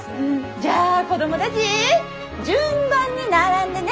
じゃあ子供たぢ順番に並んでね！